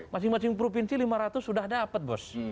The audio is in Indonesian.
masing masing provinsi lima ratus sudah dapat bos